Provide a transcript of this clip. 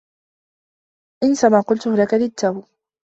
انس ما قلته لك للتّو.